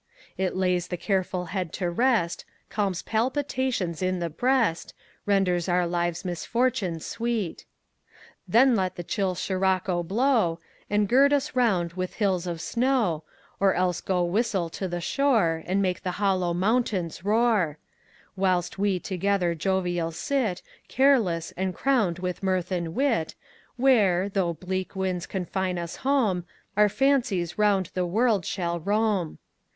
It lays the careful head to rest, Calms palpitations in the breast, Renders our lives' misfortune sweet; Then let the chill Sirocco blow, And gird us round with hills of snow, Or else go whistle to the shore, And make the hollow mountains roar, Whilst we together jovial sit Careless, and crowned with mirth and wit, Where, though bleak winds confine us home Our fancies round the world shall roam.